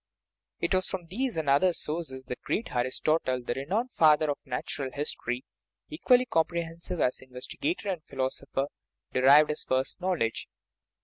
It was from these and other sources that the great Aristotle, the renowned " father of natural history," equally comprehensive as investigator and philosopher, derived his first knowledge.